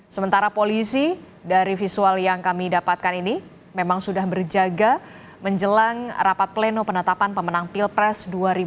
sementara polisi dari visual yang kami dapatkan ini memang sudah berjaga menjelang rapat pleno penetapan pemenang pilpres dua ribu dua puluh